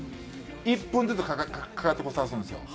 １分ずつかかってこさせるんですよ。